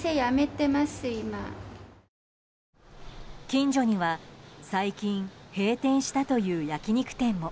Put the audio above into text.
近所には最近、閉店したという焼き肉店も。